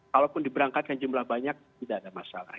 kalaupun diberangkatkan jumlah banyak tidak ada masalah